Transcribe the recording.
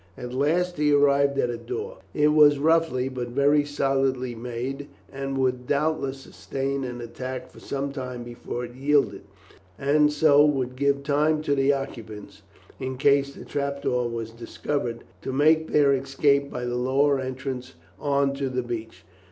At last he arrived at a door. It was roughly but very solidly made, and would doubtless sustain an attack for some time before it yielded, and so would give time to the occupants, in case the trap door was discovered, to make their escape by the lower entrance on to the beach.